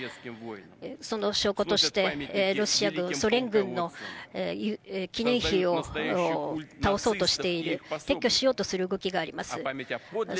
その証拠として、ロシア軍、ソ連軍の記念碑を倒そうとしている、撤去しようとする動きがあります。